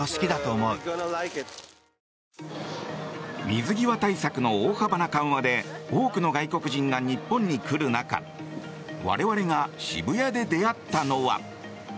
水際対策の大幅な緩和で多くの外国人が日本に来る中我々が渋谷で出会ったのは。